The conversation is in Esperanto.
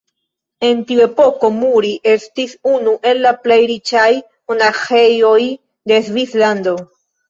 En tiu epoko Muri estis unu el la plej riĉaj monaĥejoj de Svislando.